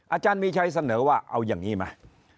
อาจารย์มีชัยเสนอว่าเอาอย่างนี้ไหม